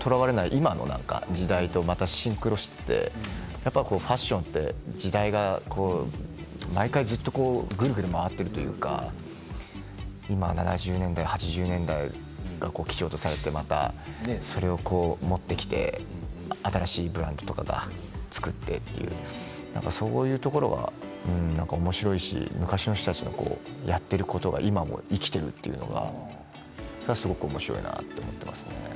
今の時代とまたシンクロしていてファッションって時代が毎回ぐるぐる回っているというか今、７０年代８０年代が基調とされてまたそれを持ってきて新しいブランドとかを作ってっていうそういうところは、おもしろいし昔の人たちのやっていることが今も生きているというのがおもしろいなって思いますね。